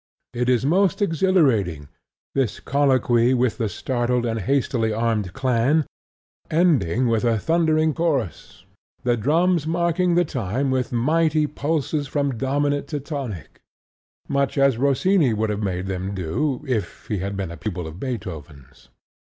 It is most exhilarating, this colloquy with the startled and hastily armed clan, ending with a thundering chorus, the drums marking the time with mighty pulses from dominant to tonic, much as Rossini would have made them do if he had been a pupil of Beethoven's.